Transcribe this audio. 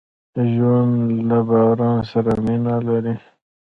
ژوندي له باران سره مینه لري